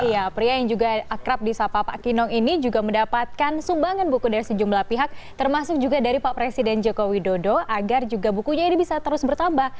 iya pria yang juga akrab di sapa pak kinong ini juga mendapatkan sumbangan buku dari sejumlah pihak termasuk juga dari pak presiden joko widodo agar juga bukunya ini bisa terus bertambah